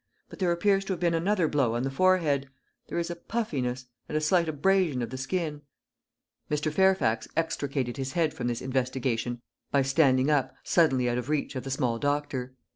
"But there appears to have been another blow on the forehead. There is a puffiness, and a slight abrasion of the skin." Mr. Fairfax extricated his head from this investigation by standing up suddenly out of reach of the small doctor.